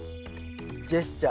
ジェスチャー。